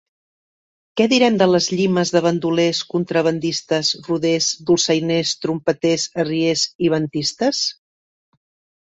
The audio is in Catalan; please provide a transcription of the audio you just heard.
Què direm de les llimes de bandolers, contrabandistes, roders, dolçainers, trompeters, arriers i ventistes?